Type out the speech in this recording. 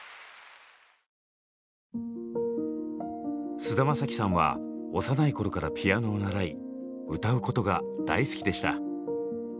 菅田将暉さんは幼い頃からピアノを習い歌うことが大好きでした。